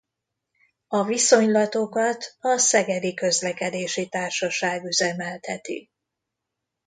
A viszonylatokat a Szegedi Közlekedési Társaság üzemelteti.